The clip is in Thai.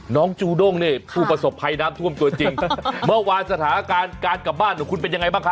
จูด้งนี่ผู้ประสบภัยน้ำท่วมตัวจริงเมื่อวานสถานการณ์การกลับบ้านของคุณเป็นยังไงบ้างครับ